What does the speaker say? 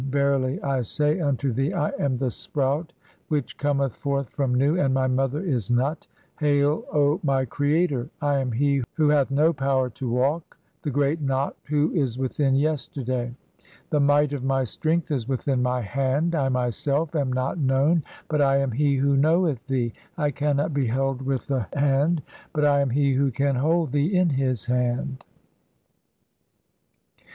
Verily I say unto thee, I am "the Sprout which cometh forth from Nu, and my Mother is "Nut. Hail, O (25) my Creator, I am he who hath no power "to walk, the great Knot who is within yesterday. The might "of my strength is within my hand. I myself am not known, "but I am he who knoweth thee. (26) I cannot be held with the "hand, but I am he who can hold thee in his hand.